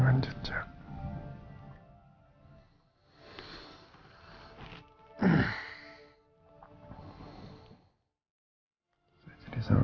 gak akan aku lepasin aku